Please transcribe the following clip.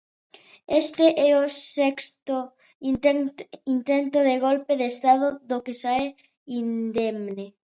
Este é o sexto intento de golpe de estado do que sae indemne.